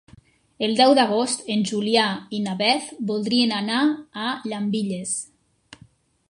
El deu d'agost en Julià i na Beth voldrien anar a Llambilles.